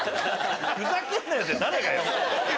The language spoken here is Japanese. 「ふざけんなよ」って誰がよ！